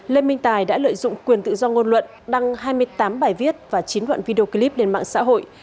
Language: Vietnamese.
lê minh tài đã lợi dụng quyền tự do ngôn luận đăng hai mươi tám bài viết và chín đoạn video clip lên mạng xã hội